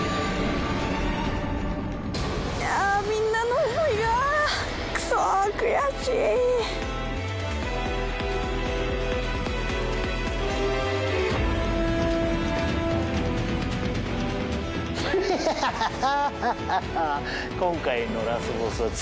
いやみんなの思いがクソ悔しいハハハハハ